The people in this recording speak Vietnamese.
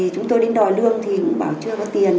chúng tôi đến đòi lương thì cũng bảo chưa có tiền